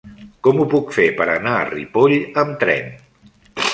Com ho puc fer per anar a Ripoll amb tren?